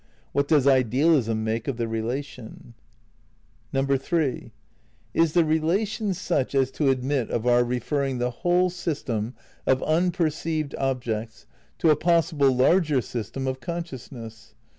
What does idealism make of the relation ? (3) Is the relation such as to admit of our refer ring the whole system of unperceived objects to a pos sible larger system of consciousness